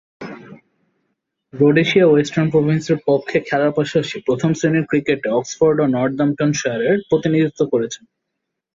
Rhodesia ও Western প্রভিন্সের পক্ষে খেলার পাশাপাশি প্রথম-শ্রেণীর ক্রিকেটে অক্সফোর্ড ও নর্দাম্পটনশায়ারের প্রতিনিধিত্ব করেছেন।